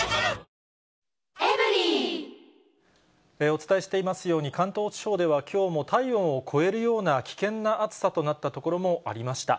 お伝えしていますように、関東地方ではきょうも、体温を超えるような危険な暑さとなった所もありました。